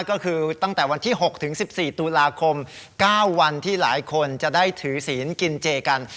ก็คือตั้งแต่วันที่๖ถึง๑๔ตุลาคม๙วันที่หลายคนจะได้ถือศีลกินเจกัน